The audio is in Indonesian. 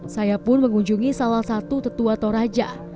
saya pun mengunjungi salah satu tetua toraja